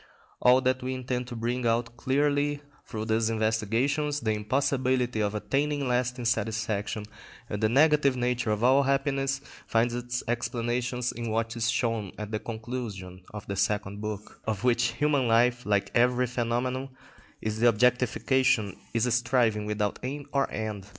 All that we intend to bring out clearly through these investigations, the impossibility of attaining lasting satisfaction and the negative nature of all happiness, finds its explanation in what is shown at the conclusion of the Second Book: that the will, of which human life, like every phenomenon, is the objectification, is a striving without aim or end.